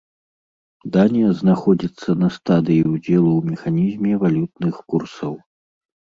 Данія знаходзіцца на стадыі ўдзелу ў механізме валютных курсаў.